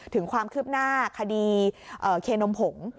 ถึงความคืบหน้าคดีเคนมผง